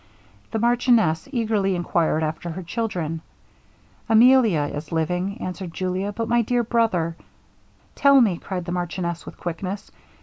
The marchioness eagerly inquired after her children, 'Emilia is living,' answered Julia, 'but my dear brother ' 'Tell me,' cried the marchioness, with quickness.